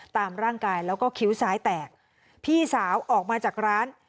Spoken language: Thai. ตามร่างกายแล้วก็คิ้วซ้ายแตกพี่สาวออกมาจากร้าน